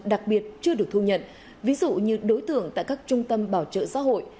đặc biệt chưa được thu nhận ví dụ như đối tượng tại các trung tâm bảo trợ xã hội